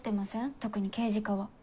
特に刑事課は。